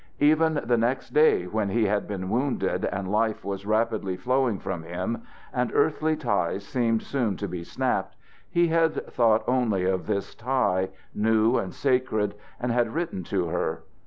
Even the next day, when he had been wounded and life was rapidly flowing from him, and earthly ties seemed soon to be snapped, he had thought only of this tie, new and sacred, and had written to her.